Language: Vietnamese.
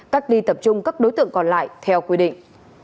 cắt đi tập trung các đối tượng còn lại theo quy định